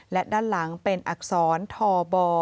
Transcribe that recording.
และด้านหลังเป็นอักษรทบ